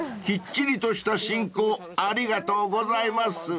［きっちりとした進行ありがとうございます］